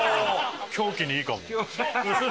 凶器にいいかも。